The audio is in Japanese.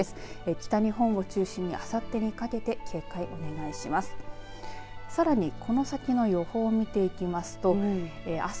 北日本を中心にあさってにかけて警戒をお願いします。